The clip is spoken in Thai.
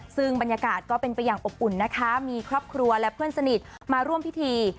ซึ่งบรรยากาศก็เป็นไปอย่างอบอุ่นนะคะมีครอบครัวและเพื่อนสนิทมาร่วมพิธี